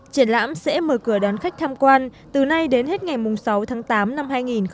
triển lãm sẽ mở cửa đón khách tham quan từ nay đến hết ngày sáu tháng tám năm hai nghìn một mươi chín